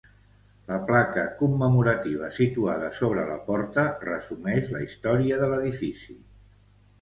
La placa commemorativa situada sobre la porta resumeix la història de l'edifici.